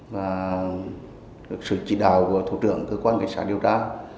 và được sự chỉ đào của thủ trưởng cơ quan cảnh sát điều tra